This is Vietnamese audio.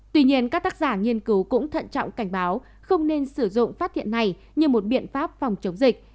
tuy nhiên các tác giả nghiên cứu cũng thận trọng cảnh báo không nên sử dụng phát hiện này như một biện pháp phòng chống dịch